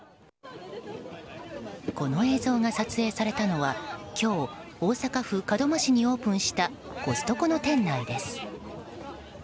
この映像が撮影されたのは今日、大阪府門真市にオープンしたコストコの店内です。